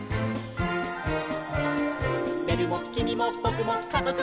「べるもきみもぼくもかぞくも」